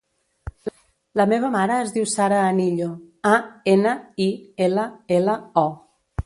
La meva mare es diu Sara Anillo: a, ena, i, ela, ela, o.